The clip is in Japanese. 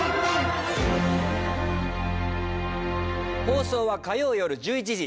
放送は火曜夜１１時。